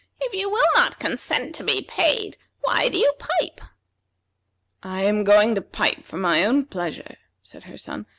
"If you will not consent to be paid, why do you pipe?" "I am going to pipe for my own pleasure," said her son.